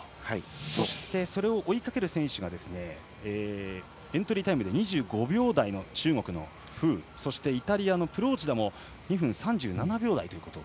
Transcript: そしてそれを追いかける選手がエントリータイムが２５秒台の中国の選手そして、イタリアのプローチダも２分３７秒台。